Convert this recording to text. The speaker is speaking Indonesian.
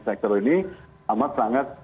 sektor ini amat sangat